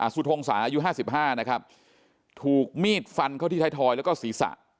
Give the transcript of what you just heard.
สุทงศาอายุ๕๕นะครับถูกมีดฟันเข้าที่ไทยทอยแล้วก็ศีรษะ